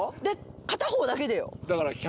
片方だけでよ。